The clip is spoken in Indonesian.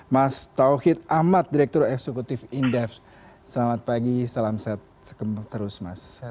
mas tauhid ahmad direktur eksekutif indef selamat pagi salam sehat terus mas